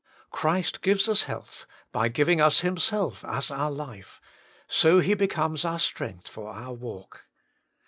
Christ gives us health by giving us Him self as our life ; so He becomes our strength for our walk.